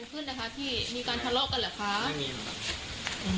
เกิดอะไรกันขึ้นนะคะพี่มีการทะเลาะกันเหรอคะไม่มีค่ะอืม